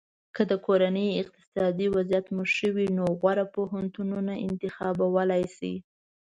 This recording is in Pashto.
که د کورنۍ اقتصادي وضعیت مو ښه وي نو غوره پوهنتونونه انتخابولی شی.